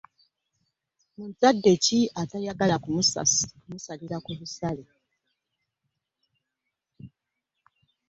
Muzadde ki atayagala kumusalira ku bisale?